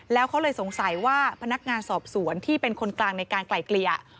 แล้วเขาเลยสงสัยว่าพนักงานสอบสวนที่เป็นคนกลางในการไกลเกลี่ย